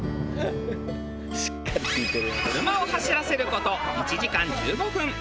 車を走らせる事１時間１５分。